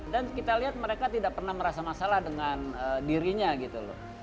dan kita lihat mereka tidak pernah merasa masalah dengan dirinya gitu loh